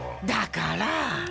だからぁ